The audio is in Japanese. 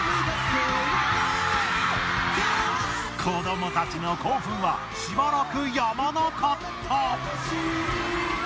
子どもたちの興奮はしばらく止まなかった。